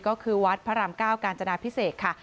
ก็คือวัดพระรามเก้ากาญจนาพิเศษค่ะ